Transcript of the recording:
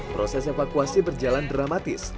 proses evakuasi berjalan dramatis